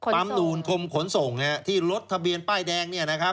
ดูนคมขนส่งที่รถทะเบียนป้ายแดง